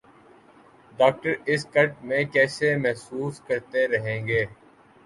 doctor اس kit میں کیسے محسوس کرتے رہیں گے